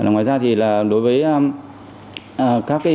ngoài ra thì là đối với các đối tượng